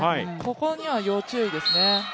ここには要注意ですね。